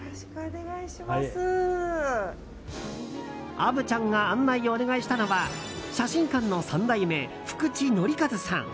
虻ちゃんが案内をお願いしたのは写真館の３代目、福地憲一さん。